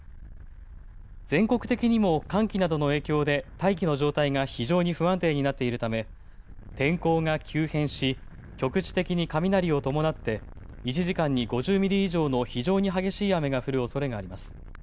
全国的にも寒気などの影響で大気の状態が非常に不安定になっているため天候が急変し局地的に雷を伴って１時間に５０ミリ以上の非常に激しい雨が降るおそれがあります。